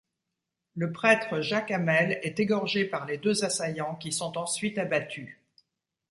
Le prêtre Jacques Hamel est égorgé par les deux assaillants qui sont ensuite abattus.